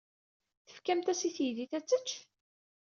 Tefkamt-as i teydit ad tečč?